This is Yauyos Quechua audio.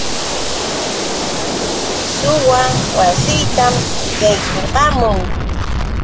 Suwa wasiitan yaykurqamun.